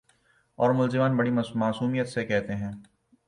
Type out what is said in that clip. اورملزمان بڑی معصومیت سے کہتے ہیں۔